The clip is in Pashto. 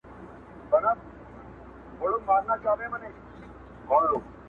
ته چي هري خواته ځې ځه پر هغه ځه٫